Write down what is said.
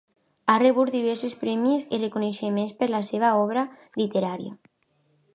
Ha rebut diversos premis i reconeixements per la seva obra literària.